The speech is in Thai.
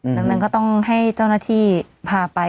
หนึ่งก็ต้องให้เจ้าหน้าที่พาไป